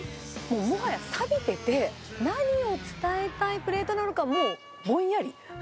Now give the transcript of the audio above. もはやさびてて、何を伝えたいプレーとなのか、もう、ぼんやり。